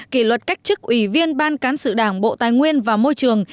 kỷ luật cách chức ủy viên ban cán sự đảng bộ tài nguyên và môi trường